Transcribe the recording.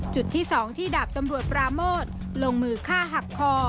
จุดที่๒ที่ดาบตำรวจปราโมทลงมือฆ่าหักคอ